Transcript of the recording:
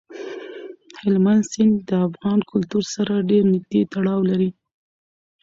هلمند سیند د افغان کلتور سره ډېر نږدې تړاو لري.